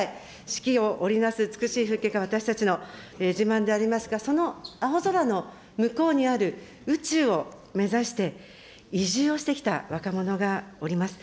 四季を織り成す美しい風景が私たちの自慢でありますが、その青空の向こうにある宇宙を目指して、移住をしてきた若者がおります。